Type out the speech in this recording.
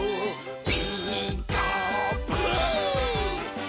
「ピーカーブ！」